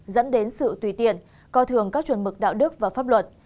dẫn đến sự tùy tiện coi thường các chuẩn mực đạo đức và pháp luật